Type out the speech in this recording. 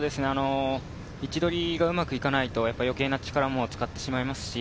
位置取りがうまくいかないと、余計な力を使ってしまいます。